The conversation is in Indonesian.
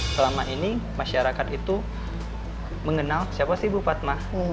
selama ini masyarakat itu mengenal siapa sih bupat mah